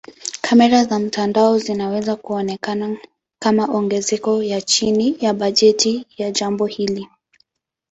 Kamera za mtandao zinaweza kuonekana kama ongezeko ya chini ya bajeti ya jambo hili.